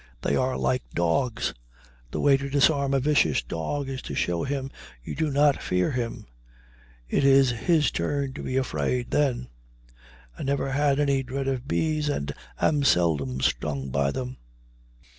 They are like dogs. The way to disarm a vicious dog is to show him you do not fear him; it is his turn to be afraid then. I never had any dread of bees and am seldom stung by them.